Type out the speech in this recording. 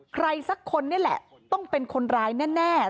ใครสักคนนี่แหละต้องเป็นคนร้ายแน่